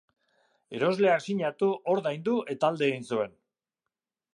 Erosleak sinatu, ordaindu eta alde egin zuen.